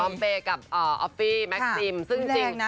เปย์กับออฟฟี่แม็กซิมซึ่งจริง